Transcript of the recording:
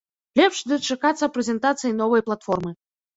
Лепш дачакацца прэзентацыі новай платформы.